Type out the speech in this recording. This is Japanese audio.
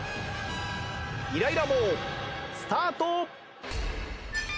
イライラ棒スタート！